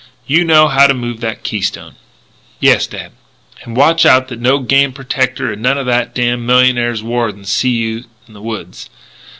You know how to move that keystone?" "Yes, dad." "And watch out that no game protector and none of that damn millionaire's wardens see you in the woods.